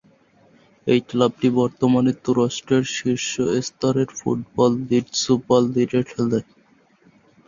এই ক্লাবটি বর্তমানে তুরস্কের শীর্ষ স্তরের ফুটবল লীগ সুপার লীগে খেলে।